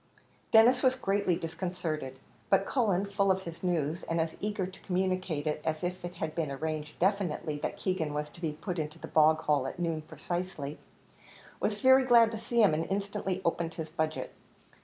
Denis was greatly disconcerted, but Cullen, full of his news, and as eager to communicate it as if it had been arranged definitely that Keegan was to be put into the bog hole at noon precisely, was very glad to see him, and instantly opened his budget.